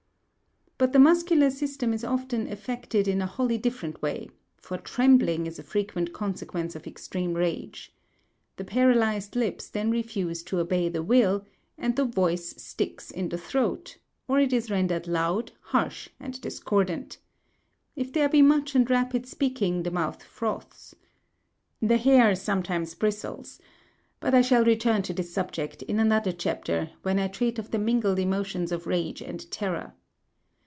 But the muscular system is often affected in a wholly different way; for trembling is a frequent consequence of extreme rage. The paralysed lips then refuse to obey the will, "and the voice sticks in the throat;" or it is rendered loud, harsh, and discordant. If there be much and rapid speaking, the mouth froths. The hair sometimes bristles; but I shall return to this subject in another chapter, when I treat of the mingled emotions of rage and terror.